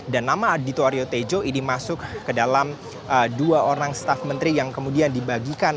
dan nama adhito aryo tejo ini masuk ke dalam dua orang staf menteri yang kemudian dibagikan